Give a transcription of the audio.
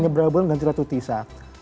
berapa bulan ganti ratu tisa